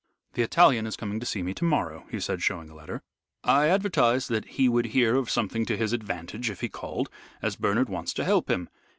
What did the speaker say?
"The Italian is coming to see me to morrow," he said, showing a letter. "I advertised that he would hear of something to his advantage if he called, as Bernard wants to help him.